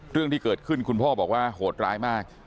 เรื่องที่เกิดขึ้นคุณพ่อบอกว่าโหดร้ายมาก